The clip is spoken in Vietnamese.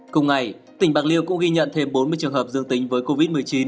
cùng ngày tỉnh bạc liêu cũng ghi nhận thêm bốn mươi trường hợp dương tính với covid một mươi chín